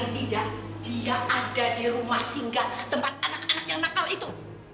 dia akan pergi ke tempat anak anak yang nakal itu